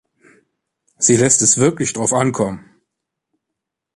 Sie lässt es wirklich drauf ankommen!